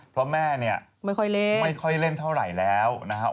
เพราะแม่นี่ไม่ค่อยเล่นเท่าไหร่แล้วนะครับ